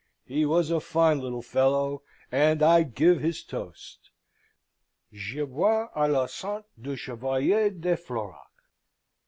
He was a fine little fellow, and I give his toast: Je bois a la sante du Chevalier de Florac!"